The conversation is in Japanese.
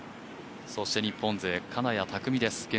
そして、日本勢・金谷拓実です。